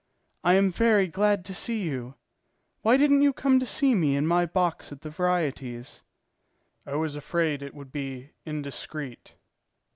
"I am very glad to see you. Why didn't you come to see me in my box at the Variétés?" "I was afraid it would be indiscreet."